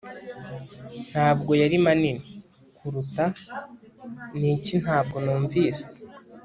Ntabwo yari manini kuruta Niki ntabwo numvise